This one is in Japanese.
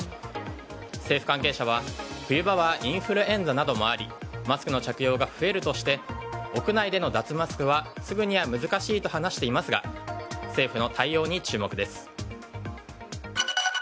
政府関係者は冬場はインフルエンザなどもありマスクの着用が増えるとして屋内での脱マスクはすぐには難しいと話していますが政府の対応に注目です。